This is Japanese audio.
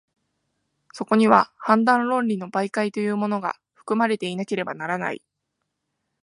そこには判断論理の媒介というものが、含まれていなければならない。